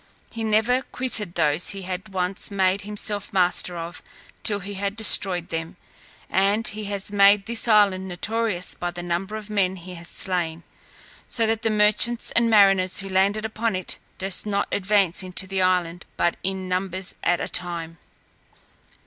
He never quitted those he had once made himself master of, till he had destroyed them, and he has made this island notorious by the number of men he has slain; so that the merchants and mariners who landed upon it, durst not advance into the island but in numbers at a time."